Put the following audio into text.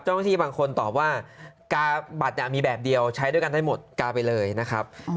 เจ้าหน้าที่บางคนตอบว่ากาบัตรมีแบบเดียวใช้ด้วยกันได้หมดกาไปเลยนะครับ